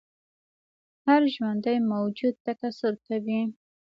هر ژوندی موجود تکثیر کوي